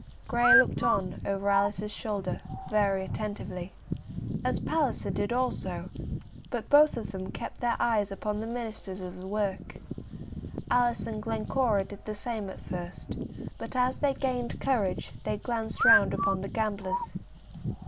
Grey looked on, over Alice's shoulder, very attentively, as did Palliser also, but both of them kept their eyes upon the ministers of the work. Alice and Glencora did the same at first, but as they gained courage they glanced round upon the gamblers.